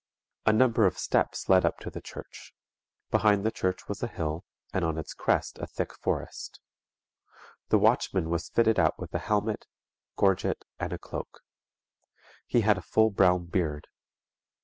A number of steps led up to the church. Behind the church was a hill, and on its crest a thick forest. The watchman was fitted out with a helmet, gorget and a cloak. He had a full brown beard.